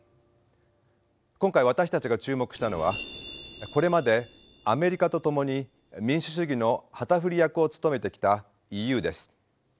今回私たちが注目したのはこれまでアメリカと共に民主主義の旗振り役を務めてきたＥＵです。